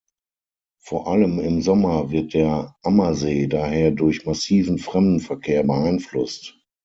Vor allem im Sommer wird der Ammersee daher durch massiven Fremdenverkehr beeinflusst.